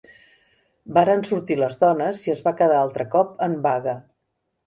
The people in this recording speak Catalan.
Varen sortir les dones i es va quedar altre cop en vaga.